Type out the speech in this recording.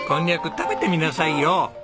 食べてみなさいよ！